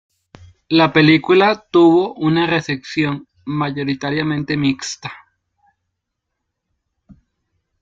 La película tuvo una recepción mayoritariamente mixta.